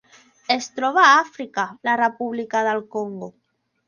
Es troba a Àfrica: la República del Congo.